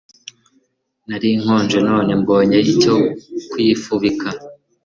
nari nkonje none mbonye icyo kwifubika